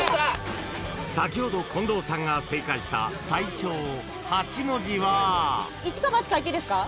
［先ほど近藤さんが正解した最長８文字は］イチかバチかいっていいですか？